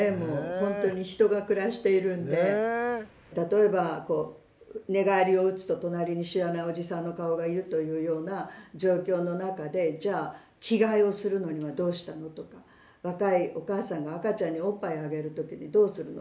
ほんとに人が暮らしているんで例えばこう寝返りを打つと隣に知らないおじさんの顔がいるというような状況の中でじゃあ着替えをするのにはどうしたのとか若いお母さんが赤ちゃんにおっぱいあげる時にどうするの。